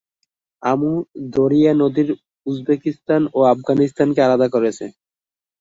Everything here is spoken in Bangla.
আমু দরিয়া নদী উজবেকিস্তান ও আফগানিস্তানকে আলাদা করেছে।